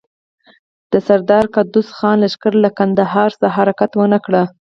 د سردار قدوس خان لښکر له کندهار څخه حرکت ونه کړ.